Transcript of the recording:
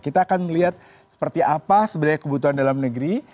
kita akan melihat seperti apa sebenarnya kebutuhan dalam negeri